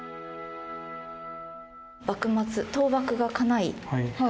幕末倒幕がかない